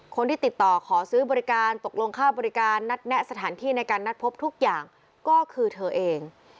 คนที่ติดต่อขอซื้อบริการตกลงค่าบริการนัดแนะสถานที่ในการนัดพบทุกอย่างก็คือเธอเอง